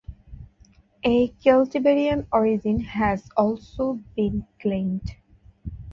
A Celtiberian origin has also been claimed.